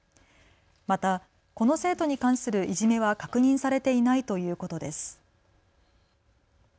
また、この生徒に関するいじめは確認されていないということです。